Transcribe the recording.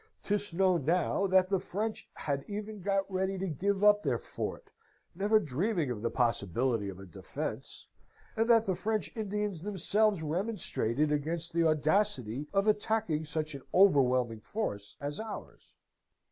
'Tis known now that the French had even got ready to give up their fort, never dreaming of the possibility of a defence, and that the French Indians themselves remonstrated against the audacity of attacking such an overwhelming force as ours.